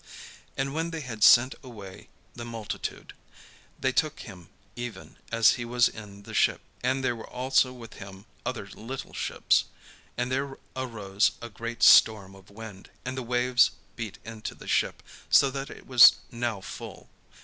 And when they had sent away the multitude, they took him even as he was in the ship. And there were also with him other little ships. And there arose a great storm of wind, and the waves beat into the ship, so that it was now full.